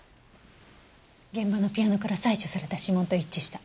現場のピアノから採取された指紋と一致した。